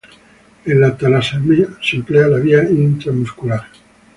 En la talasemia se emplea la vía intramuscular.